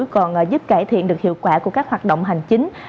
còn giúp cải thiện được hiệu quả của các hoạt động hành chính